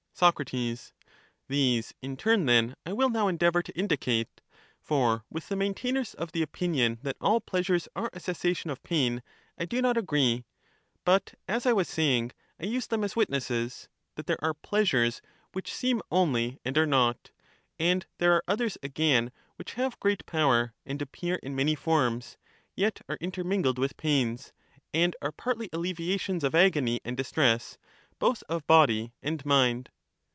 we must Soc, These, in turn, then, I will now endeavour to indi J^p"^" tne un cate; for with the maintainers of the opinion that all mixed pleasures are a cessation of pain, I do not agree, but, as I ^"^^™* was saying, I use^thcm as witnesses, that there are pleasures which seem only and are not, and there are others again which have great power and appear in many forms, yet are intermingled with pains, aod are partly alleviations of agony and distress^ both of body and mind.